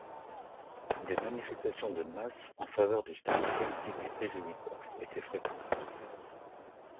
Des manifestations de masse en faveur du statut politique des prisonniers corses étaient fréquentes.